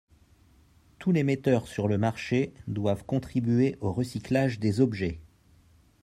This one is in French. Tous les metteurs sur le marché doivent contribuer au recyclage des objets.